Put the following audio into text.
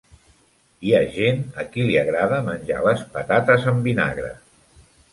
Hi ha gent a qui li agrada menjar les patates amb vinagre.